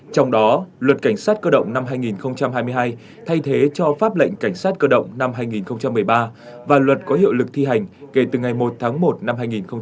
trong đó luật cảnh sát cơ động năm hai nghìn hai mươi hai thay thế cho pháp lệnh cảnh sát cơ động năm hai nghìn một mươi ba và luật có hiệu lực thi hành kể từ ngày một tháng một năm hai nghìn một mươi chín